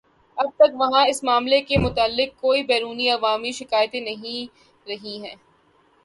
اب تک وہاں اس معاملے کے متعلق کوئی بیرونی عوامی شکایتیں نہیں رہی ہیں